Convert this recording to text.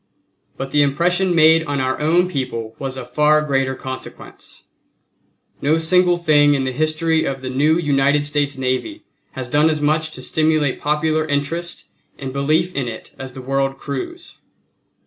But the impression made on our own people was of far greater consequence. No single thing in the history of the new United States Navy has done as much to stimulate popular interest and belief in it as the world cruise.